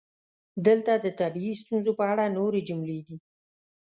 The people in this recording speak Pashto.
دلته د طبیعي ستونزو په اړه نورې جملې دي: